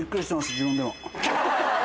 自分でも。